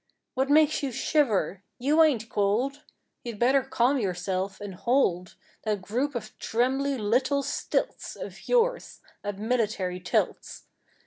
What makes you shiver? You ain't cold! You'd better calm yourself and hold That group of trembly little stilts Of yours at military tilts!